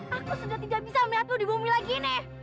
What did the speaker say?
aku sudah tidak bisa melihatmu di bumi lagi nih